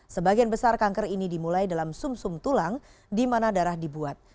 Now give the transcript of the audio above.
sebagian besar kanker ini dimulai dalam sum sum tulang di mana darah dibuat